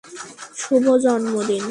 শুভ জন্মদিন!